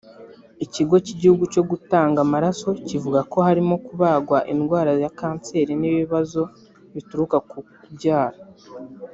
Ikigo cy’igihugu cyo gutanga amaraso kivuga ko harimo kubagwa indwara ya kanseri n’ibibazo bituruka ku kubyara